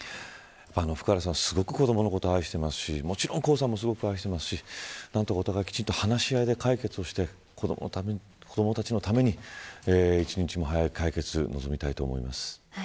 福原さん、すごく子どものことを愛していますし、もちろん江さんもすごく愛してますし何とかお互いきちんと話し合いで解決して子どもたちのために１日も早い解決を望みたいと思います。